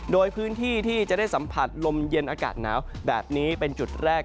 โดยพื้นที่ที่จะได้สัมผัสลมเย็นอากาศหนาวแบบนี้เป็นจุดแรก